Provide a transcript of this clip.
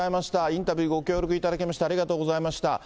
インタビューご協力いただきましてありがとうございました。